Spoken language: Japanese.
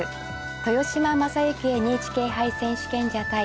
豊島将之ＮＨＫ杯選手権者対